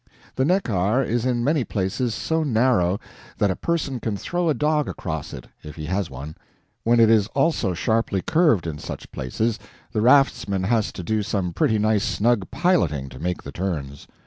The Neckar is in many places so narrow that a person can throw a dog across it, if he has one; when it is also sharply curved in such places, the raftsman has to do some pretty nice snug piloting to make the turns.